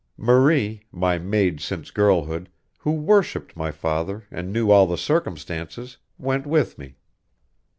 Marie, my maid since girlhood, who worshiped my father and knew all the circumstances, went with me.